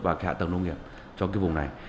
và cái hạ tầng nông nghiệp cho cái vùng này